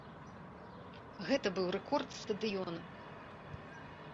Гэта быў рэкорд стадыёна.